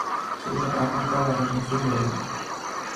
Se usa para contra la retención de orina.